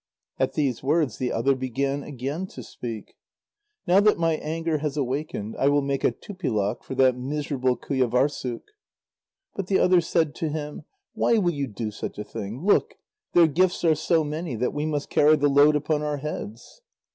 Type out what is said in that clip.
At these words, the other began again to speak: "Now that my anger has awakened, I will make a Tupilak for that miserable Qujâvârssuk." But the other said to him: "Why will you do such a thing? Look; their gifts are so many that we must carry the load upon our heads."